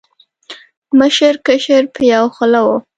مشر، کشر په یو خوله و